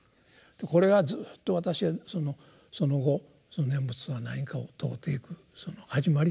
これがずっと私はその後念仏とは何かを問うていくその始まりですね。